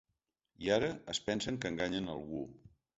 I ara es pensen que enganyen algú.